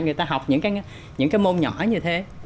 người ta học những cái môn nhỏ như thế